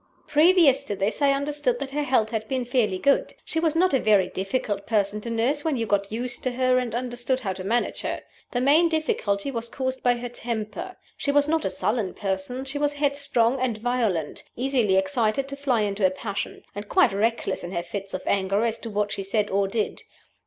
Previous to this I understood that her health had been fairly good. She was not a very difficult person to nurse when you got used to her, and understood how to manage her. The main difficulty was caused by her temper. She was not a sullen person; she was headstrong and violent easily excited to fly into a passion, and quite reckless in her fits of anger as to what she said or did.